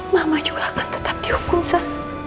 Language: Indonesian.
mama juga akan tetap dihukum pak